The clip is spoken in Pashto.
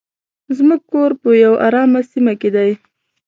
زموږ کور په یو ارامه سیمه کې دی.